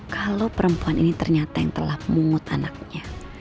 kalau perempuan ini ternyata yang telah memungut anaknya